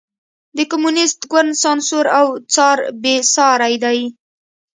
د کمونېست ګوند سانسور او څار بېساری دی.